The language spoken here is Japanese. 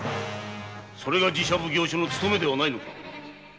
それが寺社奉行所の務めでないか。